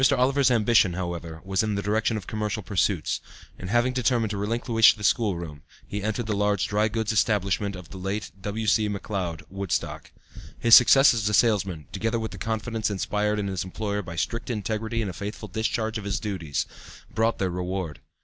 Oliver's ambition, however, was in the direction of commercial pursuits, and having determined to relinquish the schoolroom, he entered the large dry goods establishment of the late W. C. McLeod, Woodstock. His success as a salesman, together with the confidence inspired in his employer by strict integrity and a faithful discharge of his duties, brought their reward.